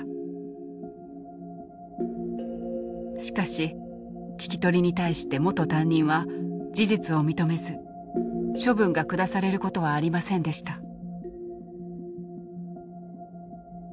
しかし聞き取りに対して元担任は事実を認めず処分が下されることはありませんでした。